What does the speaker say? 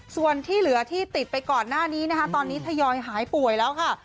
ส่วนที่เหลือที่ติดไปก่อนหน้านี้นะคะตอนนี้ทยอยหายป่วยแล้วค่ะ